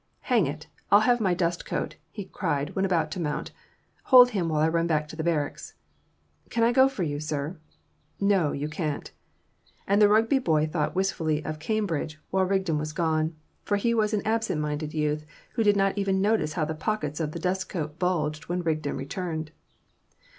"Hang it! I'll have my dust coat," he cried when about to mount. "Hold him while I run back to the barracks." "Can't I go for you, sir?" "No, you can't." And the Rugby boy thought wistfully of Cambridge while Rigden was gone; for he was an absent minded youth, who did not even notice how the pockets of the dust coat bulged when Rigden returned.